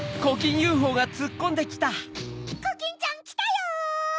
コキンちゃんきたよ！